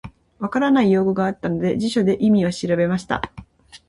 分からない用語があったので、辞書で意味を調べました。